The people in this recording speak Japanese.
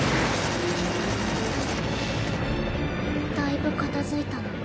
だいぶ片付いたの。